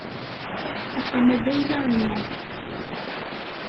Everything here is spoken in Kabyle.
Axxam-a d ayla-inu.